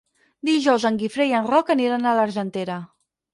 Dijous en Guifré i en Roc aniran a l'Argentera.